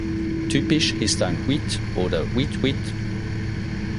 Typisch ist ein „huit“ oder „Wiit-wiit“.